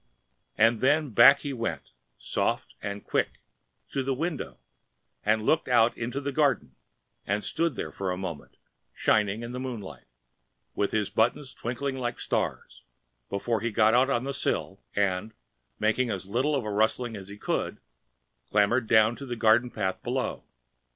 And then back he went, soft and quick, to the window and looked out upon the garden and stood there for a minute, shining in the moonlight, with his buttons twinkling like stars, before he got out on the sill and, making as little of a rustling as he could, clambered down to the garden path below.